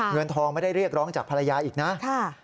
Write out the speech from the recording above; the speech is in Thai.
เงินทองไม่ได้เรียกร้องจากภรรยาอีกนะ